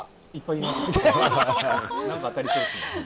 言えば当たりそうですね。